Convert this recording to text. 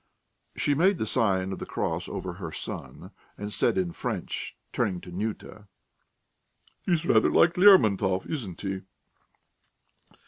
She made the sign of the cross over her son, and said in French, turning to Nyuta: "He's rather like Lermontov ... isn't he?"